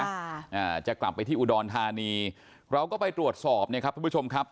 อ่าจะกลับไปที่อุดรธานีเราก็ไปตรวจสอบเนี่ยครับทุกผู้ชมครับ